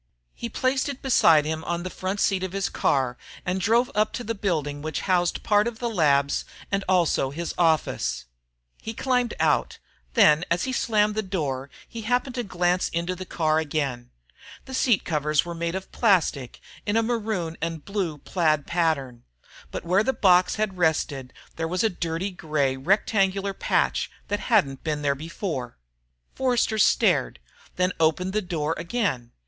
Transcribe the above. He placed it beside him on the front seat of his car and drove up to the building which housed part of the labs and also his office. He climbed out, then as he slammed the door he happened to glance into the car again. The seat covers were made of plastic in a maroon and blue plaid pattern. But where the box had rested there was a dirty grey rectangular patch that hadn't been there before. Forster stared, then opened the door again.